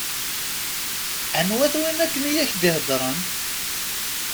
Anwa-t win akken i ak-d-iheddṛen?